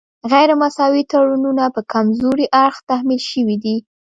غیر مساوي تړونونه په کمزوري اړخ تحمیل شوي دي